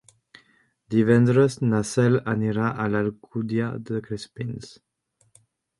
Divendres na Cel anirà a l'Alcúdia de Crespins.